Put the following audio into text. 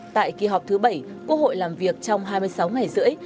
tại kỳ họp thứ bảy quốc hội làm việc trong hai mươi sáu ngày rưỡi